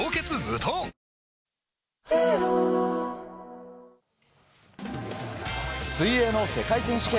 あ水泳の世界選手権。